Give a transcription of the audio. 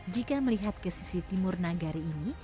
jika melihat ke sisi timur nagari ini